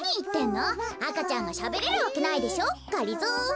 あかちゃんがしゃべれるわけないでしょがりぞー。